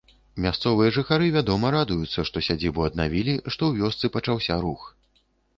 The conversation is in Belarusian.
Мясцовыя жыхары, вядома, радуюцца, што сядзібу аднавілі, што ў вёсцы пачаўся рух.